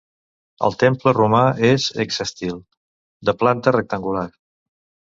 El temple romà és hexàstil, de planta rectangular.